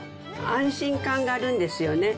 安心感があるんですよね。